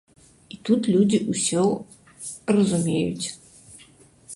І тут людзі ўсё разумеюць.